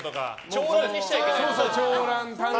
長ランにしちゃいけないのか。